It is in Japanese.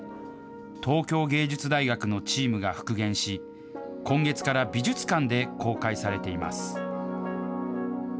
東京藝術大学のチームが復元し、今月から美術館で公開されています。